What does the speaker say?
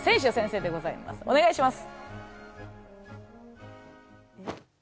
お願いします。